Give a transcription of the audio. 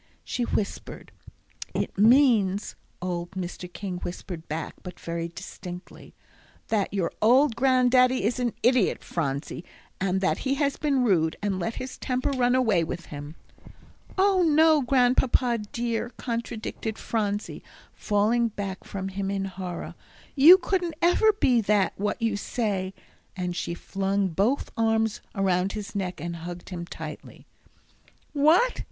she whispered. "It means," old Mr. King whispered back, but very distinctly, "that your old Granddaddy is an idiot, Phronsie, and that he has been rude, and let his temper run away with him." "Oh, no, Grandpapa dear," contradicted Phronsie, falling back from him in horror. "You couldn't ever be that what you say." And she flung both arms around his neck and hugged him tightly. "What?